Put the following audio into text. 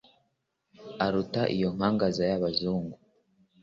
aruta iyo nkangaza y'abazungu